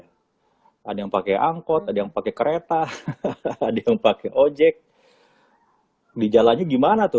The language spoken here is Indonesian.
hai ada yang pakai angkot ada yang pakai kereta hahaha di tempatnya ojek di jalannya gimana tuh